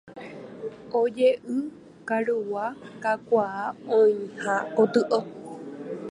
Oje'ói karugua kakuaa oĩha gotyo.